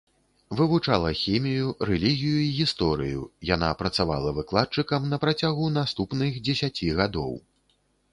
Вывучала хімію, рэлігію і гісторыю, яна працавала выкладчыкам на працягу наступных дзесяці гадоў.